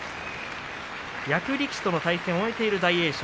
役力士との対戦を終えている大栄翔。